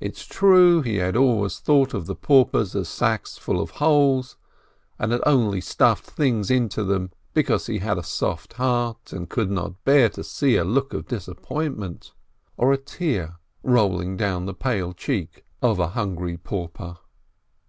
It is true, he had always thought of the paupers as sacks full of holes, and had only stuffed things into them because he had a soft heart, and could not bear to see a look of disappointment, or a tear rolling down the pale cheek of a hungry pauper.